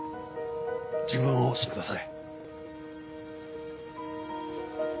自分を信じてください。